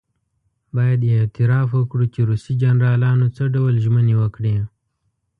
باید اعتراف وکړو چې روسي جنرالانو څه ډول ژمنې وکړې.